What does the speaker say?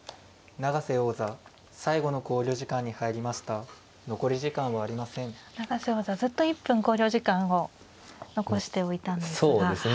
永瀬王座ずっと１分考慮時間を残しておいたんですが。